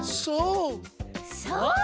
「そう」！